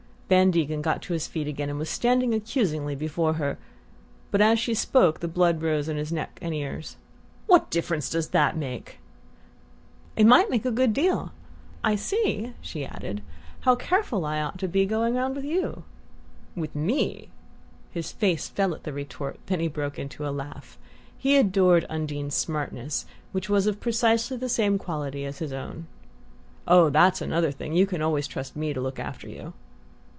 Van Degen had got to his feet again and was standing accusingly before her; but as she spoke the blood rose to his neck and ears. "What difference does that make?" "It might make a good deal. I see," she added, "how careful I ought to be about going round with you." "With ME?" His face fell at the retort; then he broke into a laugh. He adored Undine's "smartness," which was of precisely the same quality as his own. "Oh, that's another thing: you can always trust me to look after you!"